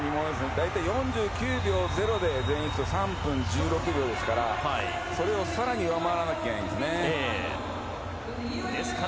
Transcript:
大体、４９秒０で全員いくと３分１６秒ですからそれを更に上回らないとダメなんですよね。